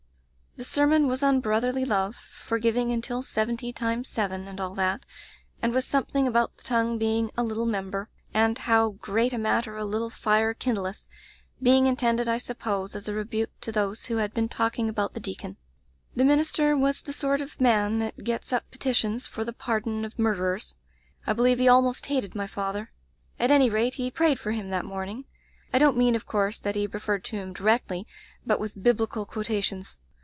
"The sermon was on brotherly love — ^for giving until seventy times seven, and all that, and with something about the tongue being a 'little member* and 'how great a matter a litde fire kindleth* — ^being intended, I sup pose, as a rebuke to those who had been talking about the deacon. The minister was the sort of man that gets up petitions for the [ 104 ] Digitized by LjOOQ IC A Dispensation pardon of murderers. I believe he almost hated my father. At any rate he prayed for him that morning. I don't mean^ of course, that he referred to him directly, but with Biblical quotations.